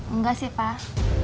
enggak sih pak